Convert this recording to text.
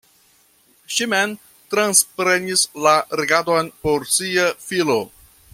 Ŝi mem transprenis la regadon por sia filo.